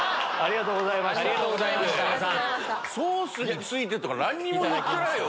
ソースについてとか何も言ってないよ